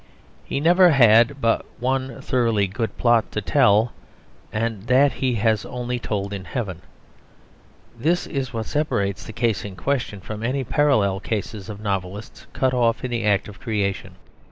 He never had but one thoroughly good plot to tell; and that he has only told in heaven. This is what separates the case in question from any parallel cases of novelists cut off in the act of creation.